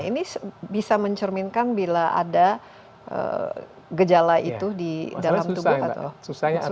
ini bisa mencerminkan bila ada gejala itu di dalam tubuh atau